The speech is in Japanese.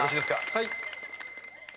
はい。